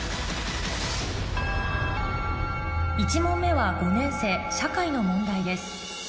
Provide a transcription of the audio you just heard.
１問目は５年生社会の問題です